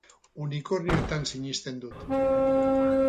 Unikornioetan sinisten dut.